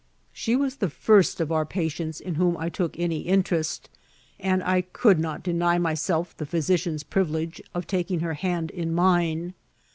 She was the first of our patients in whom I took any'intereet, and I coukl not deny my* •elf the physician's privilege of taking her hand in mine.